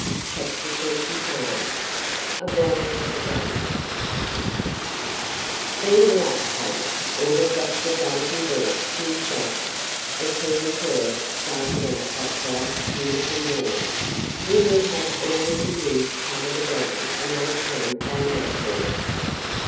CHAPTER XXV A WILD RUN' "Speed her up, Tom," ordered Dr. Duncan Bennet to his chauffeur, as he and Cora started out that bright, beautiful morning. "We will have all we can do to cover the ground and make home by nightfall."